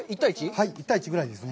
はい、１対１ぐらいですね。